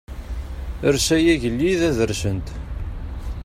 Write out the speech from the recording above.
Ers ay agellid ad rsent.